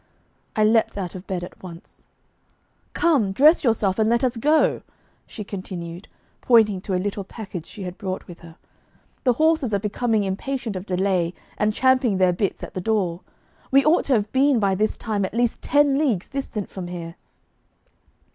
I leaped out of bed at once. 'Come, dress yourself, and let us go,' she continued, pointing to a little package she had brought with her. 'The horses are becoming impatient of delay and champing their bits at the door. We ought to have been by this time at least ten leagues distant from here.